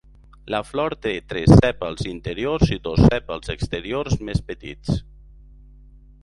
La flor té tres sèpals interiors i dos sèpals exteriors més petits.